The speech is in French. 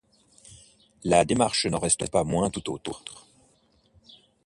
La démarche n'en reste pas moins tout autre.